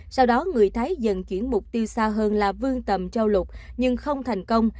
sau đó người thái dần chuyển mục tiêu xa hơn là vương tầm châu lục nhưng không thành công